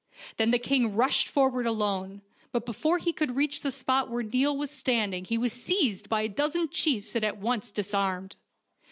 Then the king rushed forward alone, but before he could reach the spot where Niall was stand ing he was seized by a dozen chiefs and at once disarmed.